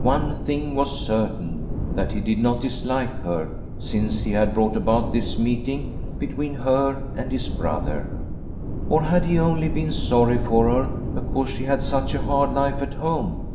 One thing was certain, that he did not dislike her since he had brought about this meeting between her and his brother. Or had he only been sorry for her because she had such a hard life at home